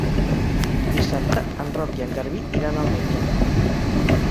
Dissabte en Roc i en Garbí iran al metge.